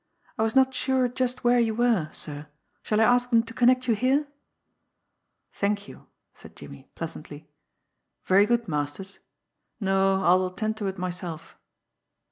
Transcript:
"I was not sure just where you were, sir. Shall I ask them to connect you here?" "Thank you!" said Jimmie pleasantly. "Very good, Masters. No I'll attend to it myself."